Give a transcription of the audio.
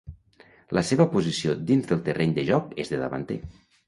La seva posició dins del terreny de joc és de davanter.